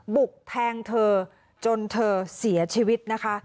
บุกแทงเธอจนเธอเสียชีวิตนะคะ